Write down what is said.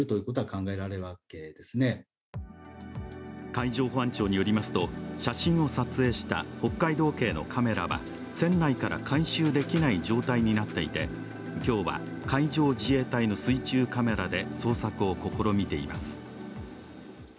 海上保安庁によりますと、写真を撮影した北海道警のカメラは、船内から回収できない状態になっていて今日は海上自衛隊の水中カメラで捜索を試みています。